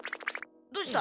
どうした？